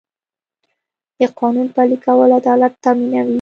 د قانون پلي کول عدالت تامینوي.